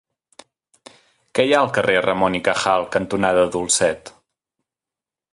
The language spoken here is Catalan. Què hi ha al carrer Ramón y Cajal cantonada Dulcet?